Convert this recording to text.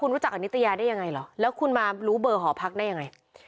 รู้จักกับนิตยาได้ยังไงเหรอแล้วคุณมารู้เบอร์หอพักได้ยังไง